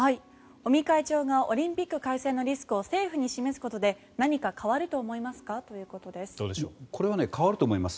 尾身会長がオリンピック開催のリスクを政府にすることで何か変わると思いますか？ということです。